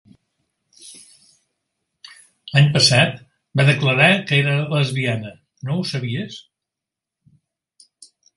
L'any passat va declarar que era lesbiana, no ho sabies?